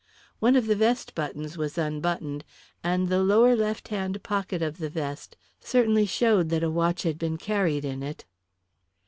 One of the vest buttons was unbuttoned, and the lower left hand pocket of the vest certainly showed that a watch had been carried in it."